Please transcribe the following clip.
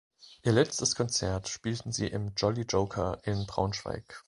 Ihr letztes Konzert spielten sie im "Jolly Joker" in Braunschweig.